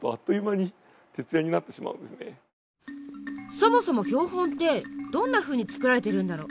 そもそも標本ってどんなふうに作られているんだろう？